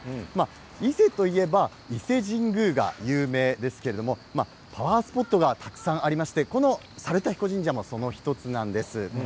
伊勢といえば伊勢神宮が有名ですけれどもパワースポットがたくさんありまして、この猿田彦神社もその１つなんです。